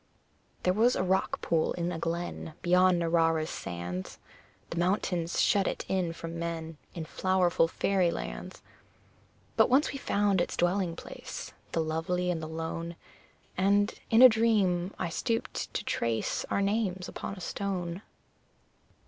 There was a rock pool in a glen Beyond Narrara's sands; The mountains shut it in from men In flowerful fairy lands; But once we found its dwelling place The lovely and the lone And, in a dream, I stooped to trace Our names upon a stone.